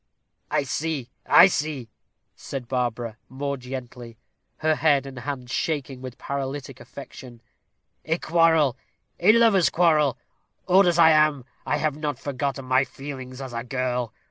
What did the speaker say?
"I see, I see," said Barbara, more gently, her head and hand shaking with paralytic affection: "a quarrel, a lover's quarrel. Old as I am, I have not forgotten my feelings as a girl.